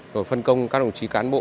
rồi phân công các đồng chí cán bộ